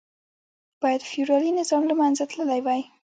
باید فیوډالي نظام له منځه تللی وای.